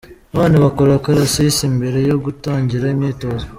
Abana bakora akarasisi mbere yo gutangira imyitozo.